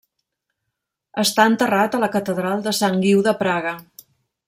Està enterrat a la catedral de Sant Guiu de Praga.